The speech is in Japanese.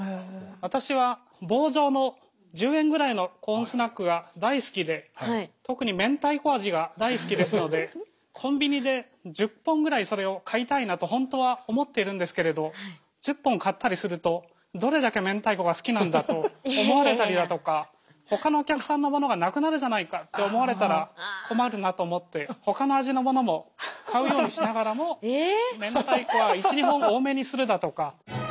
私は棒状の１０円ぐらいのコーンスナックが大好きで特にめんたいこ味が大好きですのでコンビニで１０本ぐらいそれを買いたいなと本当は思ってるんですけれど１０本買ったりするとどれだけめんたいこが好きなんだと思われたりだとかほかのお客さんのものがなくなるじゃないかって思われたら困るなと思ってほかの味のものも買うようにしながらもめんたいこは１２本多めにするだとか。